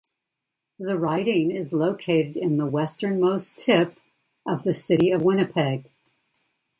The riding is located in the westernmost tip of the City of Winnipeg.